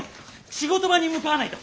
仕事場に向かわないと！